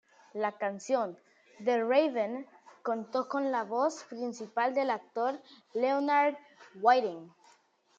La canción "The Raven" contó con la voz principal del actor Leonard Whiting.